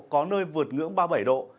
có nơi vượt ngưỡng ba mươi bảy độ